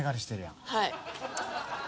はい。